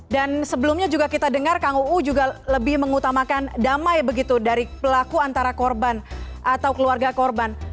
dan sebelumnya juga kita dengar kuu juga lebih mengutamakan damai begitu dari pelaku antara korban atau keluarga korban